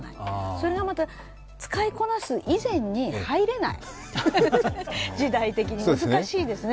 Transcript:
それがまた使いこなす以前に入れない、時代的に難しいですね。